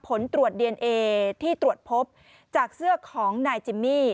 ผลตรวจดีเอนเอที่ตรวจพบจากเสื้อของนายจิมมี่